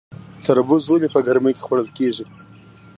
تربوز ولې په ګرمۍ کې خوړل کیږي؟